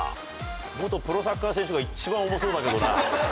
元プロサッカー選手が一番重そうだけどな。